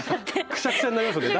くしゃくしゃになりますよね。